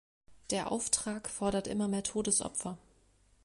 Der Auftrag fordert immer mehr Todesopfer.